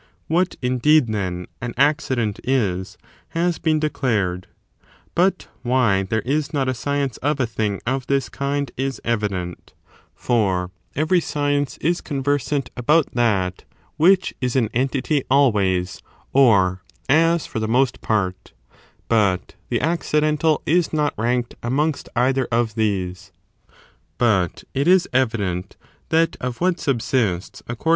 What, indeed, then, an accident is, has been declared; but why there is not a science of a thing of this kind is evident : for every science is conversant about that which is an entity always, or as for the most part ; but the accidental is not ranked amongst either of these. But it is evident that of what subsists accord 3.